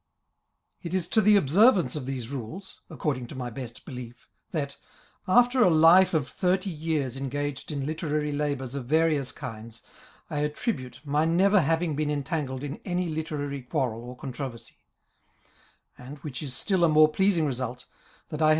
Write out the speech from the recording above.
It is to the o]}servance of these rules, (according to my best belief,) that, after a life of thirty years engaged in literary labours of various kinds, I ^ attribute my never having been entangled in any literary quarre. or contro versy ; and, which is still a more pleasing result, that I have.